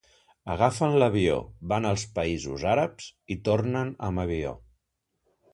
Agafen l’avió, van als països àrabs i tornen amb avió.